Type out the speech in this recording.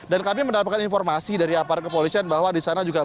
dan kami mendapatkan informasi dari aparat kepolisian bahwa di sana juga berdekatan